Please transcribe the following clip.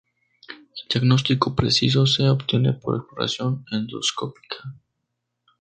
El diagnóstico preciso se obtiene por exploración endoscópica.